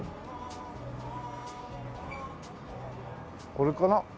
これかな？